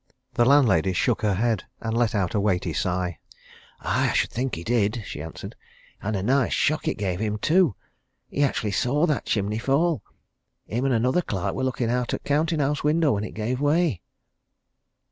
The landlady shook her head and let out a weighty sigh. "Aye, I should think he did!" she answered. "And a nice shock it gave him, too! he actually saw that chimney fall him and another clerk were looking out o' the counting house window when it gave way."